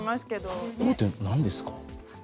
豊尻って何ですか？